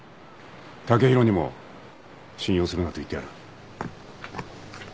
剛洋にも信用するなと言ってある。